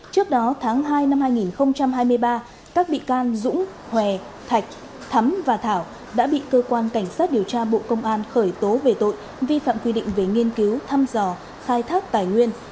trước đó tháng hai năm hai nghìn hai mươi ba các bị can dũng hòe thạch thắm và thảo đã bị cơ quan cảnh sát điều tra bộ công an khởi tố về tội vi phạm quy định về nghiên cứu thăm dò khai thác tài nguyên